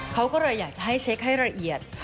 เขาก็เลยอยากจะให้เช็คให้ละเอียด